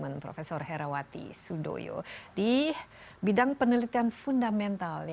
ada prof herawati sudoyo di bidang penelitian fundamental